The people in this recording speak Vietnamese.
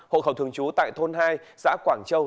hộ khẩu thường trú tại thôn hai xã quảng châu